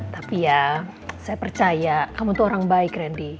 tapi ya saya percaya kamu tuh orang baik randy